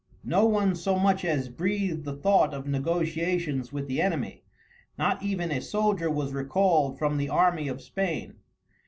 No one so much as breathed the thought of negotiations with the enemy, not even a soldier was recalled from the army of Spain.